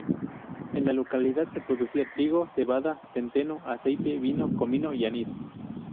En la localidad se producía trigo, cebada, centeno, aceite, vino, comino y anís.